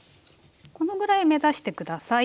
このぐらい目指して下さい。